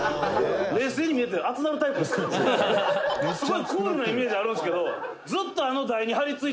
「すごいクールなイメージあるんですけど」